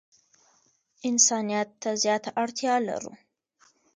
انسانیت ته زیاته اړتیا لرو.